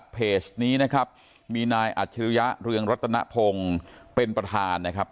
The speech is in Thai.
เพจนี้นะครับมีนายอัจฉริยะเรืองรัตนพงศ์เป็นประธานนะครับ